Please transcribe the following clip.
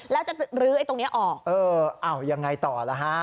แล้วจะลื้อไอ้ตรงเนี้ยออกเอออ้าวยังไงต่อล่ะฮะ